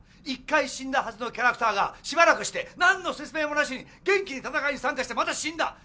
一回死んだはずのキャラクターがしばらくして何の説明もなしに元気に戦いに参加してまた死んだ。